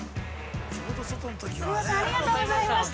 ◆すみませんありがとうございました。